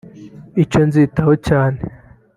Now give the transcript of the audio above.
« Icyo nzitaho cyane